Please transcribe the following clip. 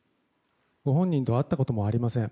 ご本人とは会ったこともありません。